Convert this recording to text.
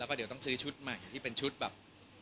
แล้วก็เดี๋ยวต้องซื้อชุดใหม่ที่เป็นชุดแบบ